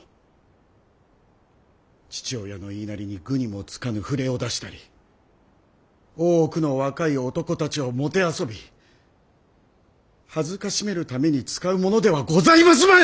父親の言いなりに愚にもつかぬ触れを出したり大奥の若い男たちを弄び辱めるために使うものではござりますまい！